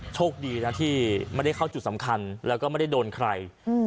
โชคดีนะที่ไม่ได้เข้าจุดสำคัญแล้วก็ไม่ได้โดนใคร